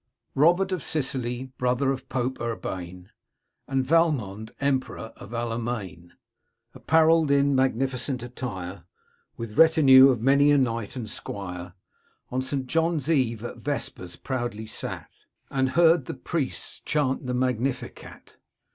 Robert of Sicily, brother of Pope Urbane And Valmond, Emperor of Allemaine, Apparelled in magnificent attire. With retinue of many a knight and squire, On St. John's eve, at vespers, proudly sat And heard the priests chant the Magnificat.